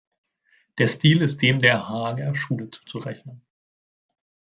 Der Stil ist dem der Haager Schule zuzurechnen.